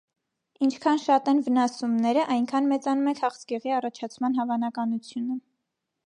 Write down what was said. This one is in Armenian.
Ինչքան շատ են վնասումները, այնքան մեծանում է քաղցկեղի առաջացման հավանականությունը։